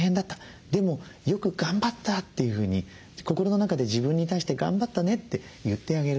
でもよく頑張ったというふうに心の中で自分に対して「頑張ったね」って言ってあげる。